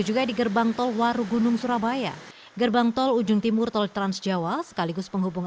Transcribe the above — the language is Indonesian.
juga di gerbang tol warugunung surabaya gerbang tol ujung timur tol transjawa sekaligus penghubung